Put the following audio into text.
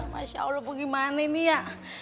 masya allah bagaimana ini ya